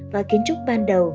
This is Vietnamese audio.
và kiến trúc ban đầu